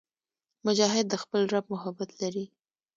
مجاهد د خپل رب محبت لري.